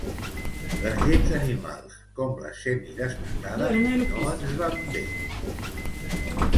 Les llets animals, com la semidesnatada, no ens van bé.